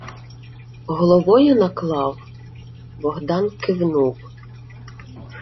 — Головою наклав? Богдан кивнув: